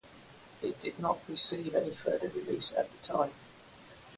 It did not receive any further release at the time.